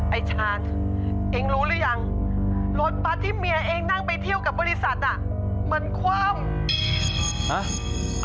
ไอ้ชานเองรู้หรือยังรถบัตรที่เมียเองนั่งไปเที่ยวกับบริษัทมันคว่ำ